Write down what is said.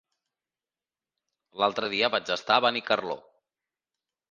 L'altre dia vaig estar a Benicarló.